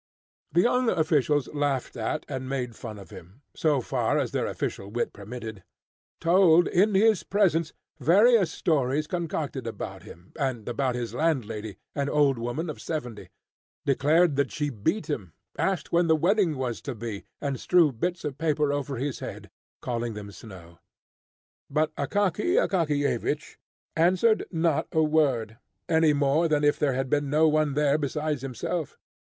The young officials laughed at and made fun of him, so far as their official wit permitted; told in his presence various stories concocted about him, and about his landlady, an old woman of seventy; declared that she beat him; asked when the wedding was to be; and strewed bits of paper over his head, calling them snow. But Akaky Akakiyevich answered not a word, any more than if there had been no one there besides himself.